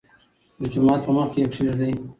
دجومات په مخکې يې کېږدۍ.